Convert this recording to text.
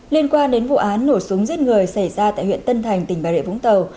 liên quan đến vụ án nổ súng giết người xảy ra tại huyện tân thành tỉnh bà rịa vũng tàu